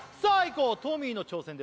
こうトミーの挑戦です